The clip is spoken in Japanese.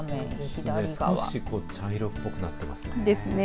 少し茶色っぽくなっていますね。ですね。